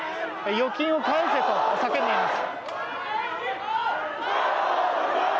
預金を返せと叫んでいます。